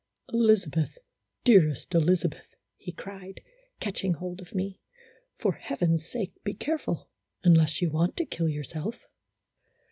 " Elizabeth, dearest Elizabeth," he cried, catching hold of me, "for heaven's sake be careful, unless you want to kill yourself